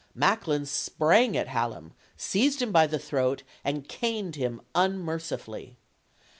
Macklin sprang at Hallam, seized him by the throat, and caned him unmercifully.